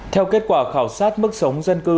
theo kết quả khảo sát mức sống dân cư